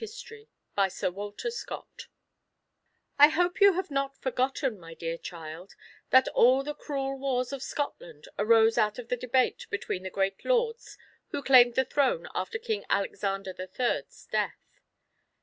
CHAPTER XVI ROBERT BRUCE I hope you have not forgotten, my dear child, that all the cruel wars of Scotland arose out of the debate between the great lords who claimed the throne after King Alexander the Third's death.